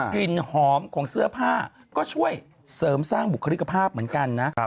กลิ่นหอมของเสื้อผ้าก็ช่วยเสริมสร้างบุคลิกภาพเหมือนกันนะ